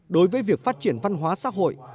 đối với việc phát triển văn hóa xã hội